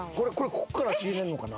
ここから足入れるのかな？